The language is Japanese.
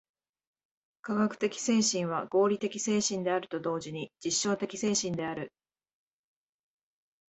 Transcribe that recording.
科学的精神は合理的精神であると同時に実証的精神である。